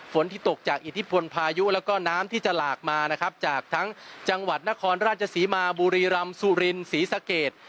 ที่ตกจากอิทธิพลพายุแล้วก็น้ำที่จะหลากมานะครับจากทั้งจังหวัดนครราชศรีมาบุรีรำสุรินศรีสะเกด